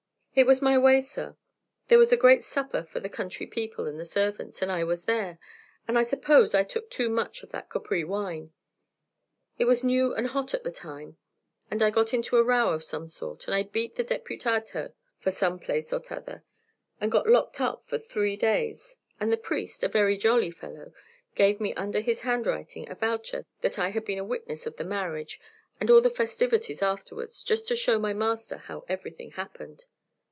"It was this way, sir. There was a great supper for the country people and the servants, and I was there, and I suppose I took too much of that Capri wine; it was new and hot at the time, and I got into a row of some sort, and I beat the Deputato from some place or t' other, and got locked up for three days; and the priest, a very jolly fellow, gave me under his handwriting a voucher that I had been a witness of the marriage, and all the festivities afterwards, just to show my master how everything happened.